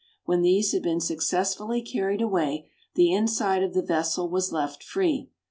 When these had been successively carried away, the inside of the vessel was left free.